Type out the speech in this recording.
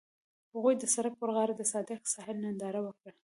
هغوی د سړک پر غاړه د صادق ساحل ننداره وکړه.